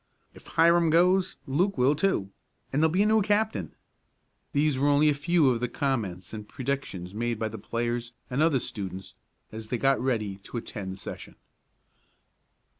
"If Hiram goes, Luke will, too, and there'll be a new captain." These were only a few of the comments and predictions made by the players and other students as they got ready to attend the session.